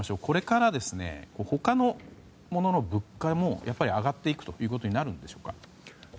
これから、他のものの物価もやっぱり上がっていくということになるでしょうか。